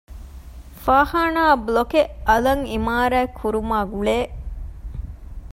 ފާޚާނާ ބްލޮކެއް އަލަށް އިމާރާތް ކުރުމާގުޅޭ